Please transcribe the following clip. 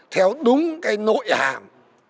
theo đúng cái nội hàm